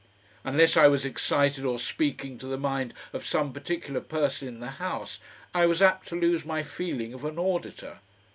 Unless I was excited or speaking to the mind of some particular person in the house, I was apt to lose my feeling of an auditor.